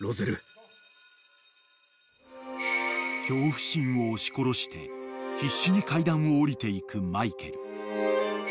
［恐怖心を押し殺して必死に階段を下りていくマイケル］